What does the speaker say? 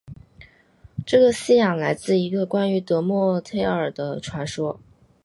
这个信仰来自一个关于得墨忒耳的传说。